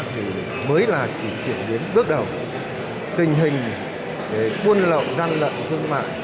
thì mới là chuyển chuyển đến bước đầu